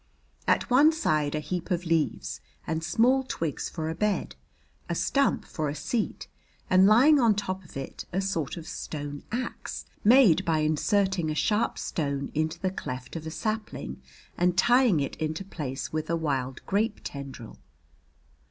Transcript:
At one side a heap of leaves and small twigs for a bed, a stump for a seat, and lying on top of it a sort of stone axe, made by inserting a sharp stone into the cleft of a sapling and tying it into place with a wild grape tendril.